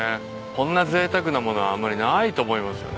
こんな贅沢なものはあんまりないと思いますね。